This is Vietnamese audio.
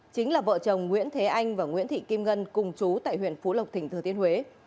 chính là vợ chồng nguyễn thế anh và nguyễn thị kim ngân cùng chú tại huyện phú lộc tỉnh thừa thiên huế